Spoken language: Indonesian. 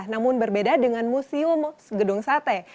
namun berbeda dengan museum gedung sate